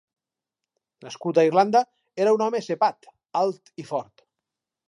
Nascut a Irlanda, era un home cepat, alt i fort.